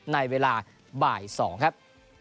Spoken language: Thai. ในเวลาบ่าย๒ครับ